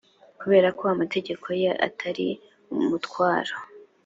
kubera ko amategeko ye atari umutwaro